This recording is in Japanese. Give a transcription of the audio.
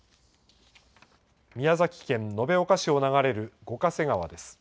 宮崎県延岡市を流れる五ヶ瀬川です。